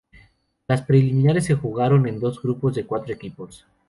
Las preliminares se jugaron en dos grupos de cuatro equipos.